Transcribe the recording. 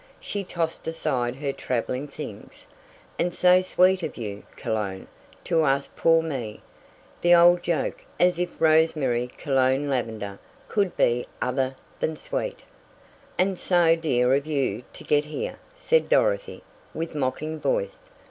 She tossed aside her traveling things. "And so sweet of you, Cologne, to ask poor me. The old joke, as if Rose Mary Cologne Lavender could be other than sweet!" "And so dear of you to get here," said Dorothy, with mocking voice.